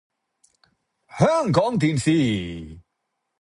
香港電視